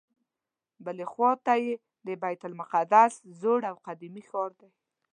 بلې خواته یې د بیت المقدس زوړ او قدیمي ښار دی.